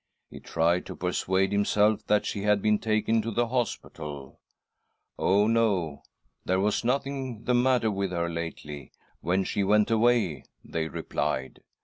He tried to persuade himself that she had been taken to the hospital. ' Oh, no, there was nothing the matter with her lately, when she went away/ they replied.